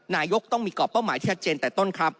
นายกต้องมีกรอบเป้าหมายที่ชัดเจนแต่ต้นครับ